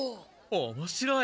おもしろい。